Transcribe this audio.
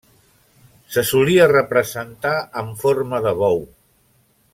Se solia representar en forma de bou.